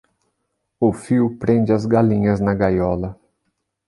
O fio prende as galinhas na gaiola.